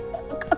kamu tau gak